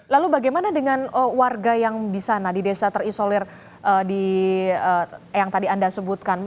lalu bagaimana dengan warga yang di sana di desa terisolir yang tadi anda sebutkan